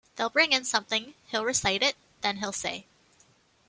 They'll bring in something, he'll recite it, then he'll say.